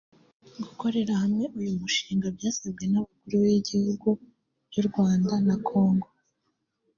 Gukorera hamwe uyu mushinga byasabwe n’Abakuru b’ibihugu by’u Rwanda na Congo